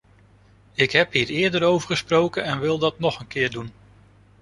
Ik heb hier eerder over gesproken en ik wil dat nog een keer doen.